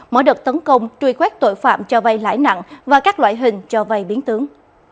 mở đợt tấn công truy quét tội phạm cho vay lãi nặng và các loại hình cho vay biến tướng